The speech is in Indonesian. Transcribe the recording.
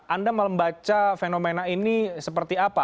anda membaca fenomena ini seperti apa